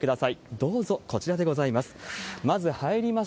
どうぞ、こちらでございます。